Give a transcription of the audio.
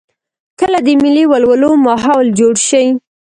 کله د ملي ولولو ماحول جوړ شي.